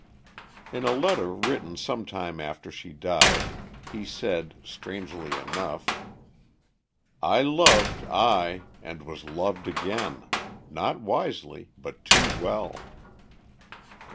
In a letter written sometime after she died, he said, strangely enough: "I loved, aye, and was loved again, not wisely, but too well."